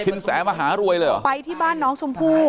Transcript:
แสมหารวยเลยเหรอไปที่บ้านน้องชมพู่